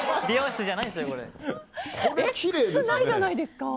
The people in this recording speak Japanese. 靴がないじゃないですか。